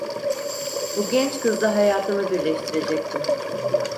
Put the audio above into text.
Bu genç kızla hayatımı birleştirecektim.